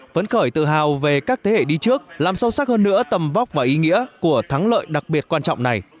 vẫn khởi tự hào về các thế hệ đi trước làm sâu sắc hơn nữa tầm vóc và ý nghĩa của thắng lợi đặc biệt quan trọng này